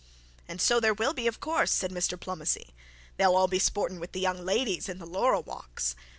'And so there will be, of course,' said Mr Pomney. 'They'll all be sporting with the young ladies in the laurel walks.